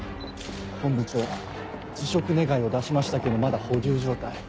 本部長辞職願を出しましたけどまだ保留状態。